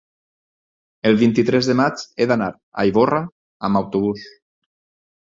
el vint-i-tres de maig he d'anar a Ivorra amb autobús.